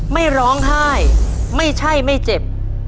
ไม่ร้องไห้ไม่ใช่ไม่เจ็บ